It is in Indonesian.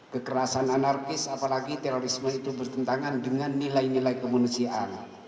kekerasan anarkis apalagi terorisme itu bertentangan dengan nilai nilai kemanusiaan